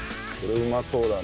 うまそうだね！